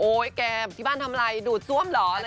โอ๊ยแกที่บ้านทำอะไรดูดซ่วมเหรออะไรอย่างนี้